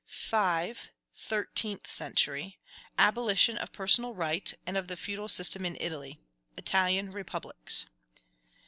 5. Thirteenth century. Abolition of personal right, and of the feudal system in Italy. Italian Republics.